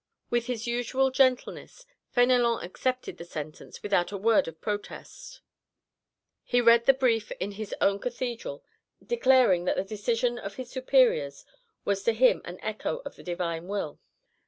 With his usual gentleness, Fénélon accepted the sentence without a word of protest; he read the brief in his own cathedral, declaring that the decision of his superiors was to him an echo of the Divine Will.